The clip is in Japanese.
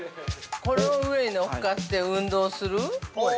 ◆この上に乗っかって運動する？